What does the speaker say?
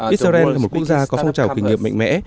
israel là một quốc gia có phong trào khởi nghiệp mạnh mẽ